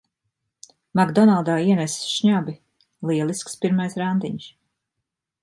"Makdonaldā" ienesis šnabi! Lielisks pirmais randiņš.